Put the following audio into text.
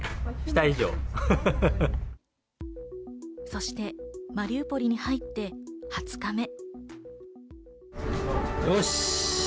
そしてマリウポリに入って２０日目。